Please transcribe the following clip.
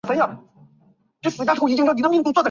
尸体头部和背部均有枪伤。